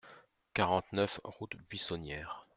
quarante-neuf route Buissonniere